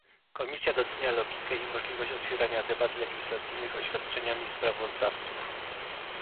Komisja docenia logikę i możliwość otwierania debat legislacyjnych oświadczeniami sprawozdawców